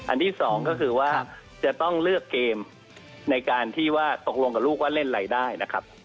ที่สองก็คือว่าจะต้องเลือกเกมในการที่ว่าตกลงกับลูกว่าเล่นอะไรได้นะครับ